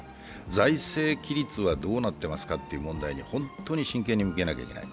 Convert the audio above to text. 財政規律はどうなってますかという問題に本当に真剣に向き合わなきゃいけない。